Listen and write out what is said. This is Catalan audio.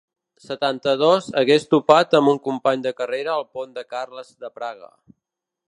Setanta-dos hagués topat amb un company de carrera al pont Carles de Praga.